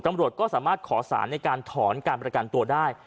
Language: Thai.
ตำรวจก็สามารถขอสารในการถอนการประกันตัวได้